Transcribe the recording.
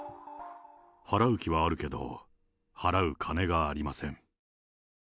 払う気はあるけど、払う金がありません。